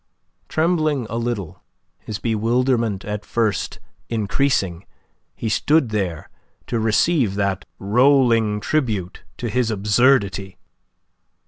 Trembling a little, his bewilderment at first increasing, he stood there to receive that rolling tribute to his absurdity.